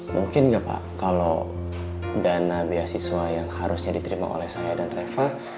mungkin nggak pak kalau dana beasiswa yang harusnya diterima oleh saya dan reva